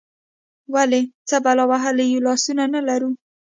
ولې، څه بلا وهلي یو، لاسونه نه لرو؟